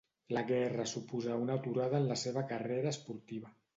La Guerra suposà una aturada en la seva carrera esportiva.